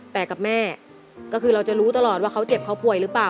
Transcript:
แต่กับแม่ก็คือเราจะรู้ตลอดว่าเขาเจ็บเขาป่วยหรือเปล่า